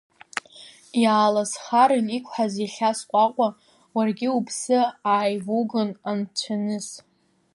Иааласхарын иқәҳаз иахьа сҟәаҟәа, уаргьы уԥсы ааивугон, анцәиныс.